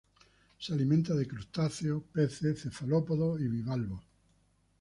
Se alimenta de crustáceos, peces, cefalópodos y bivalvos.